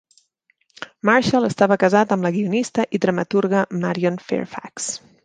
Marshall estava casat amb la guionista i dramaturga Marion Fairfax.